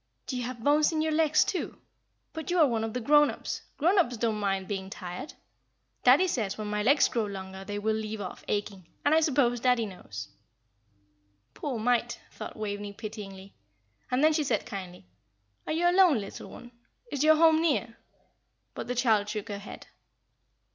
"Do you have bones in your legs, too but you are one of the grown ups; grown ups don't mind being tired. Daddie says when my legs grow longer they will leave off aching, and I suppose daddie knows." "Poor mite!" thought Waveney, pityingly; and then she said, kindly, "Are you alone, little one? Is your home near?" But the child shook her head.